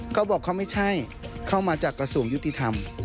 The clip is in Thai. เขาบอกเขาไม่ใช่เข้ามาจากกระทรวงยุติธรรม